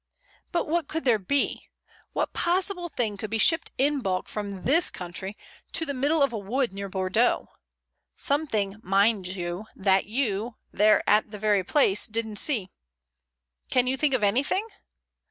"But what could there be? What possible thing could be shipped in bulk from this country to the middle of a wood near Bordeaux? Something, mind you, that you, there at the very place, didn't see. Can you think of anything?"